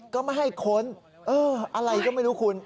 ก็ไม่ให้ค้นอะไรก็ไม่รู้คุณ